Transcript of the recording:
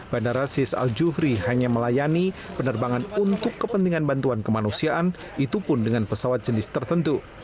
bandara sis al jufri hanya melayani penerbangan untuk kepentingan bantuan kemanusiaan itu pun dengan pesawat jenis tertentu